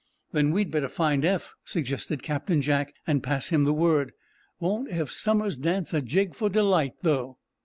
"Then we'd better find Eph," suggested Captain Jack, "and pass him the word. Won't Eph Somers dance a jig for delight, though?"